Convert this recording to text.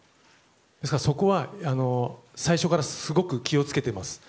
ですから、そこは最初からすごく気を付けています。